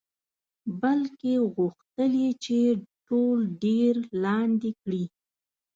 بلکې غوښتل یې چې ټول دیر لاندې کړي.